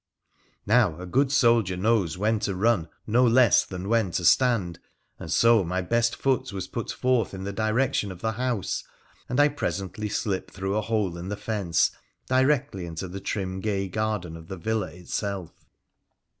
Now, a good soldier knows when to run no less than when to stand, and so my best foot was put forth in the direction of the house, and I presently slipped through a hole in the fence directly into the trim gay garden of the villa itself.